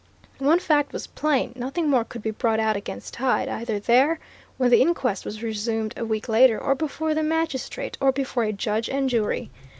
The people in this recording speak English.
One fact was plain nothing more could be brought out against Hyde, either there, when the inquest was resumed a week later, or before the magistrate, or before a judge and jury.